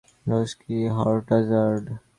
Roxie Hart Azad.